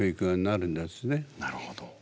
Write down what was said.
なるほど。